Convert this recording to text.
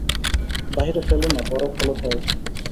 বাহিরে ফেলো না বরফ হলুদ হয়ে যায়।